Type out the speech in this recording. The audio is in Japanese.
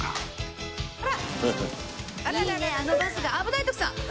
あのバスが危ない徳さん！